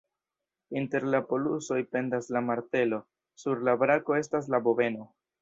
Inter la polusoj pendas la martelo, sur la brako estas la bobeno.